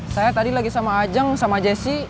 saya tadi lagi sama ajeng sama jessi